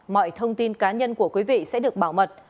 mọi thông tin cá nhân của quý vị sẽ được bảo mật